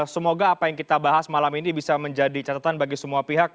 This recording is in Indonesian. semoga apa yang kita bahas malam ini bisa menjadi catatan bagi semua pihak